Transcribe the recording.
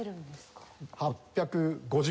８５０。